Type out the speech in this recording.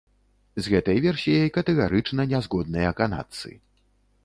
З гэтай версіяй катэгарычна не згодныя канадцы.